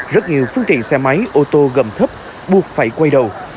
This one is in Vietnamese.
rất nhiều phương tiện xe máy ô tô gầm thấp buộc phải quay đầu